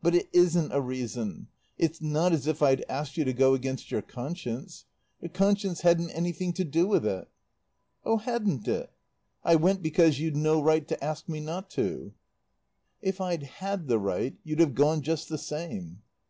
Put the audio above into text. "But it isn't a reason. It's not as if I'd asked you to go against your conscience. Your conscience hadn't anything to do with it." "Oh, hadn't it! I went because you'd no right to ask me not to." "If I'd had the right you'd have gone just the same."